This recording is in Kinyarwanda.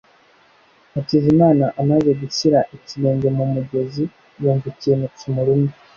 Hakizimana amaze gushyira ikirenge mu mugezi, yumva ikintu kimurumye.